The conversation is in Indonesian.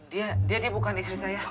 dia dia bukan istri saya